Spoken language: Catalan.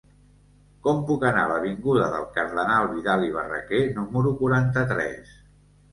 Com puc anar a l'avinguda del Cardenal Vidal i Barraquer número quaranta-tres?